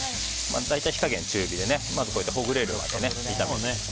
大体、火加減は中火でほぐれるまで炒めて。